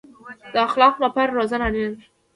د اخلاقو لپاره روزنه اړین ده